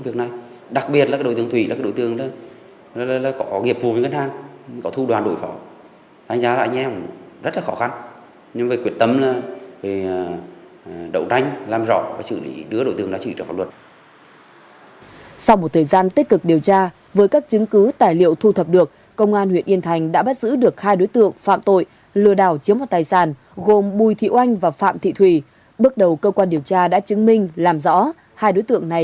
các đối tượng có nhiều thủ đoạn để đối phó với cơ quan công an huyện yên thành đã gặp rất nhiều khó khăn